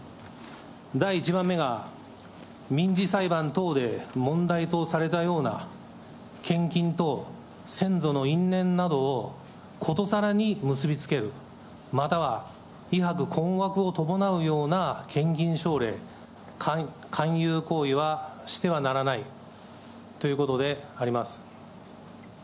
第１番目が民事裁判等で問題とされたような献金と先祖の因縁などをことさらに結び付ける、または、威迫困惑を伴うような献金奨励、勧誘行為はしてはならないということであります。